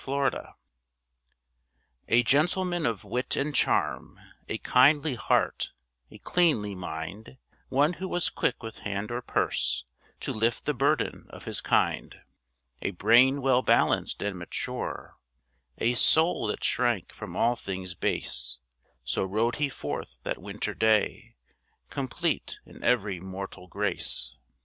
DARKNESS A gentleman of wit and charm, A kindly heart, a cleanly mind, One who was quick with hand or purse, To lift the burden of his kind. A brain well balanced and mature, A soul that shrank from all things base, So rode he forth that winter day, Complete in every mortal grace.